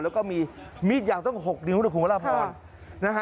แล้วก็มีมีดอย่างต้อง๖นิ้วคุณพระอาพร